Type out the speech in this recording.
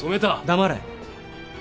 黙れ。